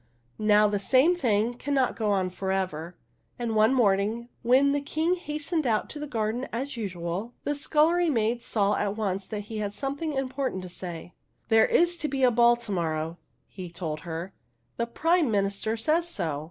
Now, the same thing cannot go on for ever ; and one morning, when the King hastened out into the garden as usual, the scullery maid saw THE HUNDREDTH PRINCESS 65 at once that he had something important to say. " There is to be a ball to morrow," he told her. The Prime Minister says so!